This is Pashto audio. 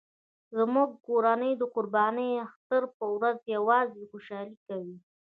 زموږ کورنۍ د قرباني اختر په ورځ یو ځای خوشحالي کوي